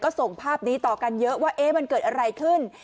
ส่งภาพนี้ต่อกันเยอะว่ามันเกิดอะไรขึ้น